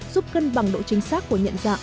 giúp cân bằng độ chính xác của nhận dạng